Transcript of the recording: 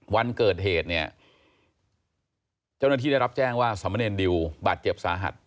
วันเกิดเหตุเนี่ยเจ้าหน้าที่ได้รับแจ้งว่าสมเนรดิวบาดเจ็บสาหัส